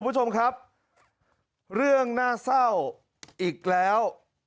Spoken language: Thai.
คุณผู้ชมครับเรื่องน่าเศร้าอีกแล้ว